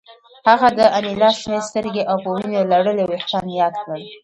هغه د انیلا شنې سترګې او په وینو لړلي ویښتان یاد کړل